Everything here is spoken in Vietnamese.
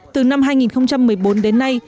từ năm hai nghìn một mươi bốn đến nay